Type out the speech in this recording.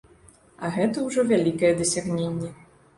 А гэта ўжо вялікае дасягненне.